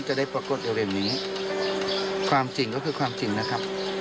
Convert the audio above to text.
จะได้ปรากฏเร็วนี้ความจริงก็คือความจริงนะครับ